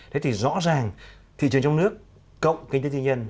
thế thì rõ ràng thị trường trong nước cộng kinh tế tư nhân